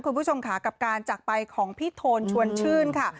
คุณผู้ชมค่ะกับการจากไปของพี่โทนชวนชื่นค่ะ